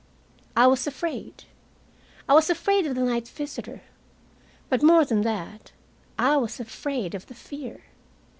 I was afraid. I was afraid of the night visitor, but, more than that, I was afraid of the fear.